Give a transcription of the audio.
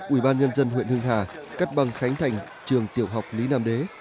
ủy ban nhân dân huyện hưng hà cắt băng khánh thành trường tiểu học lý nam đế